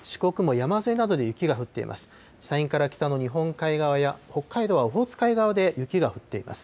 山陰から北の日本海側や北海道はオホーツク海側で雪が降っています。